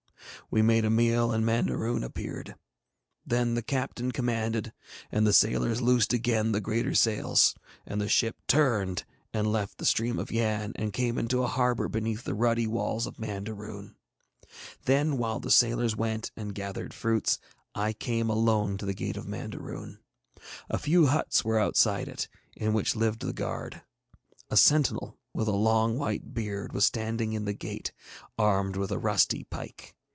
We made a meal, and Mandaroon appeared. Then the captain commanded, and the sailors loosed again the greater sails, and the ship turned and left the stream of Yann and came into a harbour beneath the ruddy walls of Mandaroon. Then while the sailors went and gathered fruits I came alone to the gate of Mandaroon. A few huts were outside it, in which lived the guard. A sentinel with a long white beard was standing in the gate, armed with a rusty pike.